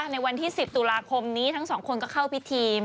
ในวันที่๑๐ตุลาคมนี้ทั้งสองคนก็เข้าพิธี